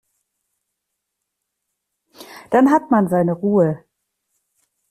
Dann hat man seine Ruhe.